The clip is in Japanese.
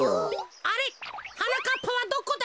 あれっはなかっぱはどこだ？